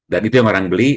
dan itu yang orang beli